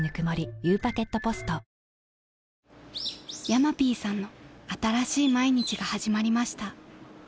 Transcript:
［ヤマピーさんの新しい毎日が始まりました］